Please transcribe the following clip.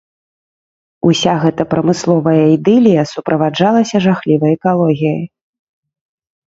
Уся гэта прамысловая ідылія суправаджалася жахлівай экалогіяй.